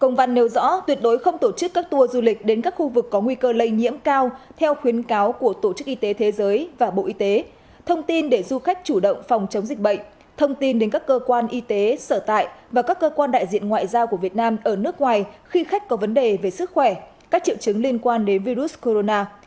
công văn nêu rõ tuyệt đối không tổ chức các tour du lịch đến các khu vực có nguy cơ lây nhiễm cao theo khuyến cáo của tổ chức y tế thế giới và bộ y tế thông tin để du khách chủ động phòng chống dịch bệnh thông tin đến các cơ quan y tế sở tại và các cơ quan đại diện ngoại giao của việt nam ở nước ngoài khi khách có vấn đề về sức khỏe các triệu chứng liên quan đến virus corona